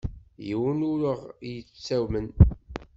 Yiwen ur ɣ-yettamen.